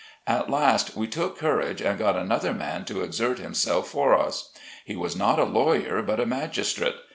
At last, we took courage, and got another man to exert himself for us. He was not a lawyer, but a magistrate.